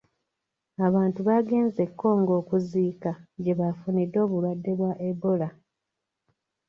Abantu baagenze e Congo okuziika gye baafunidde obulwadde bwa ebola.